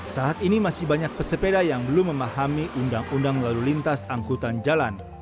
saat ini masih banyak pesepeda yang belum memahami undang undang lalu lintas angkutan jalan